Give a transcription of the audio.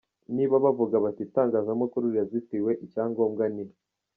Niba bavuga bati Itangazamakuru rirazitiwe, icya ngombwa ni .